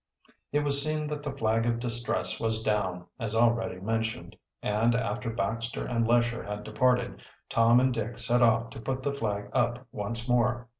It was seen that the flag of distress was down, as already mentioned, and after Baxter and Lesher had departed, Tom and Dick set off to put the flag up once more.